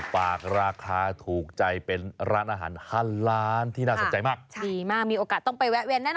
โปรดติดตามตอนต่อไป